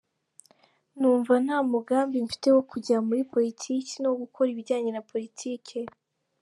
Numva nta mugambi mfite wo kujya muri politiki no gukora ibijyanye na politike…”